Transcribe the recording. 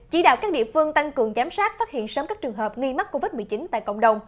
chỉ đạo các địa phương tăng cường giám sát phát hiện sớm các trường hợp nghi mắc covid một mươi chín tại cộng đồng